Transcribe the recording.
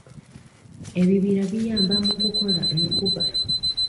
Ebibira biyamba mu kukola enkuba.